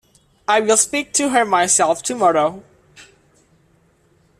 I will speak to her myself tomorrow.